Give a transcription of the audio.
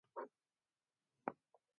د ښځينه تناسلي اله، کوس نوميږي